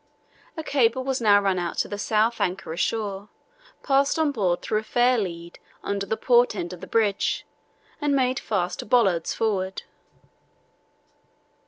A cable was now run out to the south anchor ashore, passed onboard through a fair lead under the port end of the bridge, and made fast to bollards forward.